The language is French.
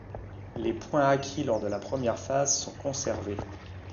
Les points acquis lors de la première phase sont conservés.